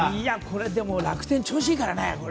でも楽天調子いいからね。